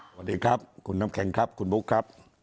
สวัสดีครับคุณน้ำแข็งครับคุณบุ๊คครับ